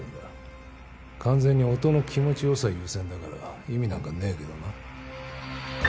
完全に音の気持ち良さ優先だから意味なんかねえけどな。